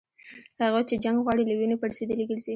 هغوی چي جنګ غواړي له وینو پړسېدلي ګرځي